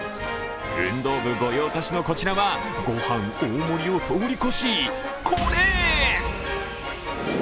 運動部御用達のこちらは御飯大盛りを通り越し、これ！